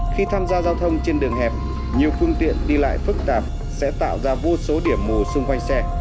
khi tham gia giao thông trên đường hẹp nhiều phương tiện đi lại phức tạp sẽ tạo ra vô số điểm mù xung quanh xe